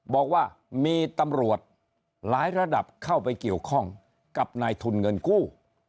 บอกว่ามีตำรวจหลายระดับเข้าไปเกี่ยวข้องกับนายทุนเงินกู้